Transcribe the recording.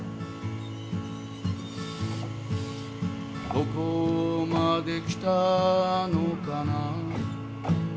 「どこまで来たのかな」